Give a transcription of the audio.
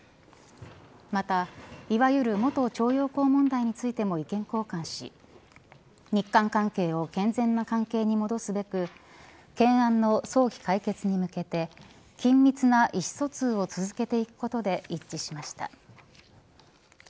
また、いわゆる元徴用工問題についても意見交換し日韓関係を健全な関係に戻すべく懸案の早期解決に向けて緊密な意思疎通を続けていくことで一致しました。